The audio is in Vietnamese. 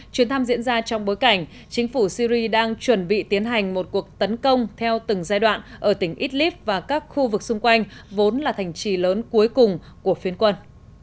chuyến thăm diễn ra trong bối cảnh chính phủ syri đang chuẩn bị tiến hành một cuộc tấn công theo từng giai đoạn ở tỉnh idlib và các khu vực xung quanh vốn là thành trì lớn cuối cùng của phiên quân